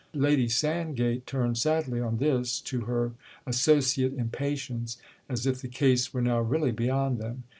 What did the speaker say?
Lady Sandgate turned sadly on this to her associate in patience, as if the case were now really beyond them.